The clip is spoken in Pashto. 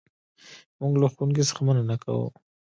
موږ له ښوونکي څخه مننه کوو.